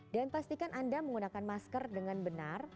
dan pastikan anda menggunakan masker dengan benar